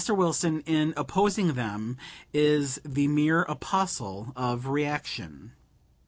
Wilson in opposing them is the mere apostle of reaction.